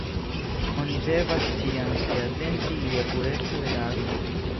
Oni devas ĉiam tre atenti je pureco de la akvo.